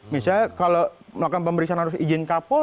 misalnya kalau melakukan pemberitahuan harus diijinkan polri